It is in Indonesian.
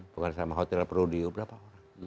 bukan sama hotel produ berapa orang